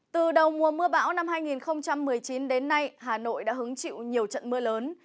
từ đầu mùa mưa bão năm hai nghìn một mươi chín đến nay hà nội đã hứng chịu nhiều trận mưa lớn